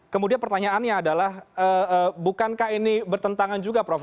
kemudian pertanyaannya adalah bukankah ini bertentangan juga prof